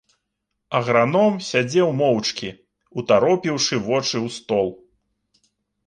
Аграном сядзеў моўчкі, утаропіўшы вочы ў стол.